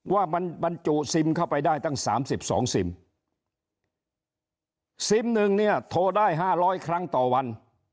ว่ามันบรรจุซิมเข้าไปได้ตั้งสามสิบสองซิมซิมหนึ่งเนี่ยโทรได้๕๐๐ครั้งต่อวัน